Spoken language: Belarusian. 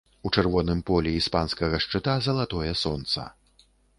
У чырвоным полі іспанскага шчыта залатое сонца.